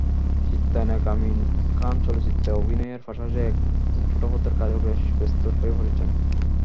চিত্রনায়ক আমিন খান চলচ্চিত্রে অভিনয়ের পাশাপাশি এখন ছোটপর্দার কাজেও বেশ ব্যস্ত হয়ে পড়েছেন।